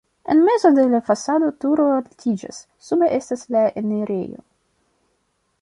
En mezo de la fasado turo altiĝas, sube estas la enirejo.